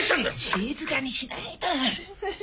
静かにしないと。